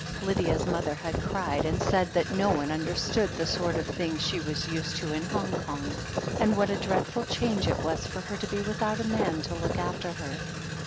Lydia's mother had cried and said that no one understood the sort of thing she was used 10b> un Kooig Kong, and what a dreadful change it was for her to be without a man to look after her.